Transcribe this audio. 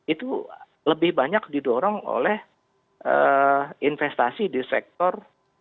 itu lebih banyak didorong oleh investasi di sektor